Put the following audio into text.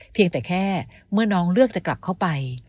เพียงแต่แค่เมื่อน้องเลือกจะกลับเข้าไป